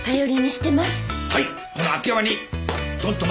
はい。